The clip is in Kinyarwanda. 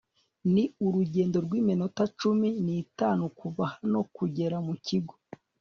Ni urugendo rwiminota cumi nitanu kuva hano kugera mu kigo